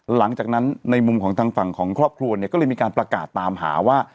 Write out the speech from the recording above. หลังจากนั้นในมุมของทางฝั่งของครอบครัวเนี่ยก็เลยมีการประกาศตามหาว่า